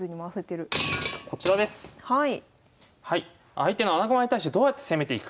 相手の穴熊に対してどうやって攻めていくか。